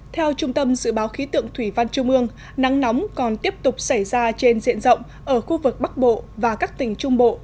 theo trung tâm dự báo khí tượng thủy văn trung ương nắng nóng còn tiếp tục xảy ra trên diện rộng ở khu vực bắc bộ và các tỉnh trung bộ